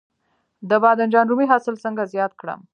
د بانجان رومي حاصل څنګه زیات کړم؟